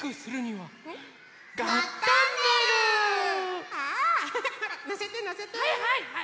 はいはいはい。